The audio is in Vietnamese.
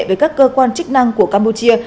với các cơ quan chức năng của campuchia